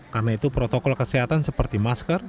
karena itu protokol kesehatan seperti masker